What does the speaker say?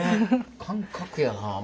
感覚やな。